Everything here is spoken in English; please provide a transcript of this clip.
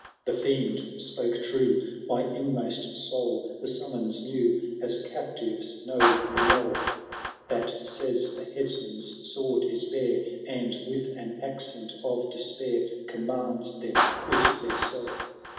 * The fiend spoke true ! My inmost soul the summons knew. As captives know the knell 190 HAROLD THB DAUNTLESS. Catito VI, That toys the headsman^s sword is bare, And, with an accent of despair. Commands them quit their cell.